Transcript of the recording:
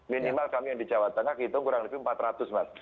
minimal kami yang di jawa tengah hitung kurang lebih empat ratus mas